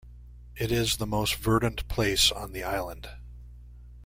It is the most verdant place on the island.